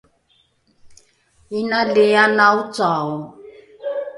inali ana ocao